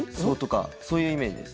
そういうイメージです。